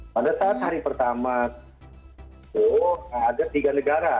pada saat hari pertama itu ada tiga negara